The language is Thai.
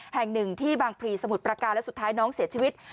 แห่งหนึ่งที่บางพลีสมุทรประการและสุดท้ายน้องเสียชีวิต